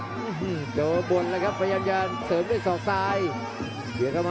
โอ้โหเจอบวนล่ะครับพยายามจะเสริมด้วยศอกใส